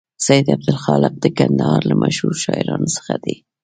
سید عبدالخالق د کندهار له مشهور شاعرانو څخه دی.